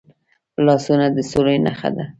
لاسونه د سولې نښه ده